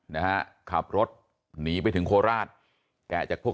นะฮะขับรถหนีไปถึงโคราชแกะจากพวก